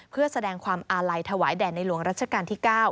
เพื่อแสดงความอาลัยถวายแด่ในหลวงรัชกาลที่๙